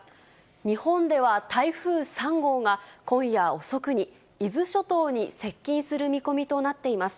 日本では台風３号が、今夜遅くに伊豆諸島に接近する見込みとなっています。